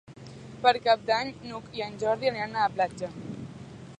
Per Cap d'Any n'Hug i en Jordi aniran a la platja.